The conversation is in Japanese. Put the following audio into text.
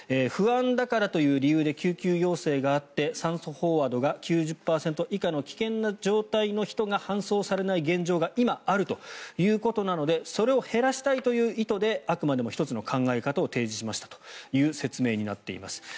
不安だからという理由で救急要請があって酸素飽和度が９０％以下の危険な状態の人が搬送されない現状が今、あるということなのでそれを減らしたいという意図であくまでも１つの考え方を提示しましたという説明になっています。